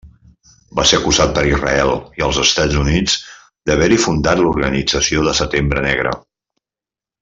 Va ser acusat per Israel i els Estats Units d'haver-hi fundat l'Organització de setembre Negra.